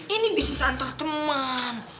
ini bisnis antar teman